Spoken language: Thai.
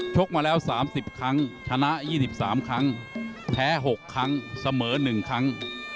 กมาแล้ว๓๐ครั้งชนะ๒๓ครั้งแพ้๖ครั้งเสมอ๑ครั้ง